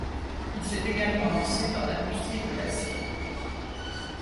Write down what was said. Il s'est également lancé dans l'industrie de l'acier.